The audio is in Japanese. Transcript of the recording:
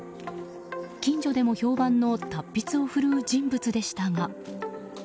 近所でも評判の達筆をふるう人物でしたが。